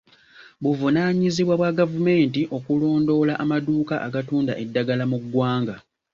Buvunaanyizibwa bwa gavumenti okulondoola amaduuka agatunda eddagala mu ggwanga.